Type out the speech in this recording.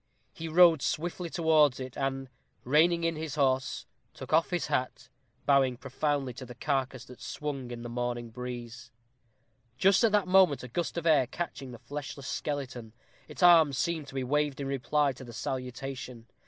He rode swiftly towards it, and, reining in his horse, took off his hat, bowing profoundly to the carcase that swung in the morning breeze. Just at that moment a gust of air catching the fleshless skeleton, its arms seemed to be waved in reply to the salutation.